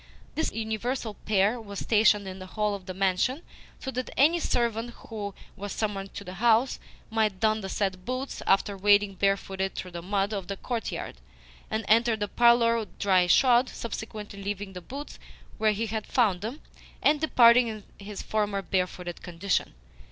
This universal pair was stationed in the hall of the mansion, so that any servant who was summoned to the house might don the said boots after wading barefooted through the mud of the courtyard, and enter the parlour dry shod subsequently leaving the boots where he had found them, and departing in his former barefooted condition.